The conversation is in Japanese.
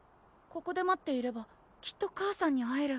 ここで待っていればきっと母さんに会える。